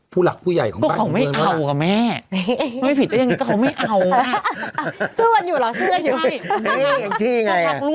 ผู้หลักผู้ใหญ่ของบ้านของเธอแล้วล่ะ